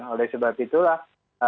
oleh sebab itulah